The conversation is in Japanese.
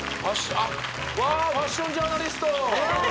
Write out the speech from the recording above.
あっわあファッションジャーナリスト！